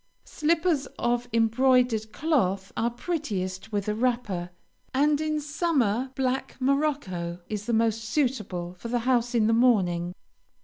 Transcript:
Slippers of embroidered cloth are prettiest with a wrapper, and in summer black morocco is the most suitable for the house in the morning.